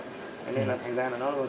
thế nên là thành ra là nó thành dự án lừa đảo